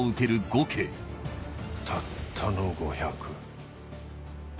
たったの５００。